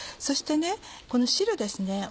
そしてこの汁ですね